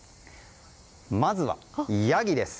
まずはヤギです。